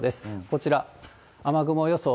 こちら、雨雲予想。